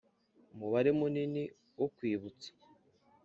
umubare munini wo kwibutsa ,